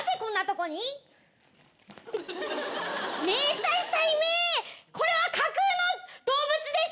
これは架空の動物です。